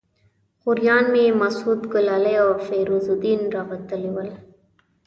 خوریان مې مسعود ګلالي او فیروز الدین راوتلي ول.